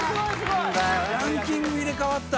ランキング入れ替わった。